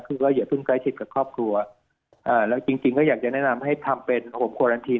คือว่าอย่าเพิ่งใกล้ชิดกับครอบครัวแล้วจริงจริงก็อยากจะแนะนำให้ทำเป็นโหมโครันทีน